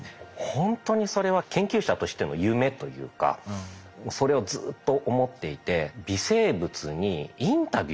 ほんとにそれは研究者としての夢というかそれをずっと思っていておっ。